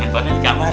teleponnya di kamar